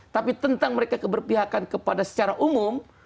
tapi tentang mereka keberpihakan kepada secara umum